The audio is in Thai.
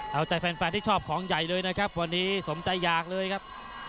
เอาใจแฟนที่ชอบของใหญ่เลยนะครับวันนี้สมใจอยากเลยครับ